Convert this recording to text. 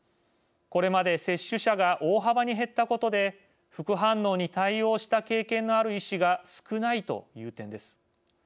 これまで接種者が大幅に減ったことで副反応に対応した経験のある医師が少ないという点です。